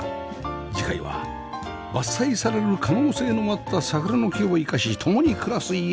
次回は伐採される可能性のあった桜の木を生かし共に暮らす家